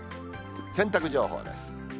洗濯情報です。